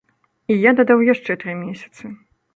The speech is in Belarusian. І я дадаў яшчэ тры месяцы.